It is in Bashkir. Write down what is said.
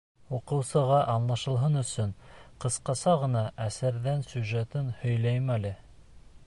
Уҡыусыға аңлашылһын өсөн ҡыҫҡаса ғына әҫәрҙең сюжетын һөйләйем әле.